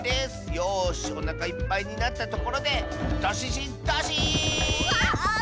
よしおなかいっぱいになったところでドシシンドシーン！